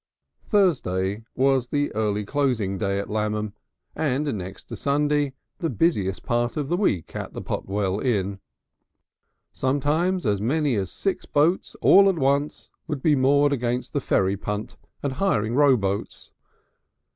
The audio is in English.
Thursday was the early closing day at Lammam, and next to Sunday the busiest part of the week at the Potwell Inn. Sometimes as many as six boats all at once would be moored against the ferry punt and hiring rowboats.